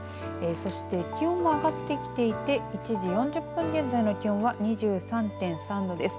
そして気温も上がってきていて１時４０分現在の気温は２３．３度です。